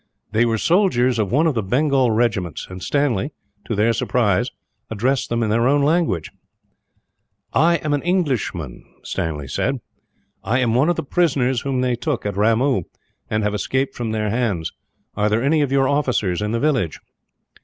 They were soldiers of one of the Bengal regiments; and Stanley, to their surprise, addressed them in their own language. "I am an Englishman," he said. "I am one of the prisoners whom they took, at Ramoo, and have escaped from their hands. Are there any of your officers in the village?"